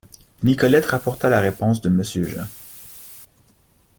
Nicolette rapporta la réponse de monsieur Jean.